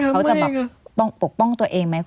เขาปกป้องตัวเองไหม